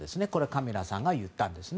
カミラさんが言ったんです。